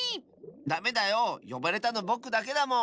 ダメだよよばれたのぼくだけだもん！